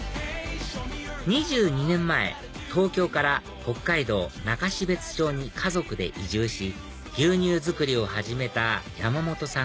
２２年前東京から北海道中標津町に家族で移住し牛乳づくりを始めた山本さん